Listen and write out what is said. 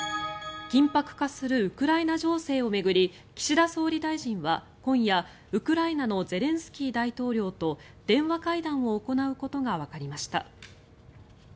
緊迫化するウクライナ情勢を巡り岸田総理大臣は今夜ウクライナのゼレンスキー大統領と電話会談を行うことがわかりました。